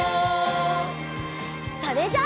それじゃあ。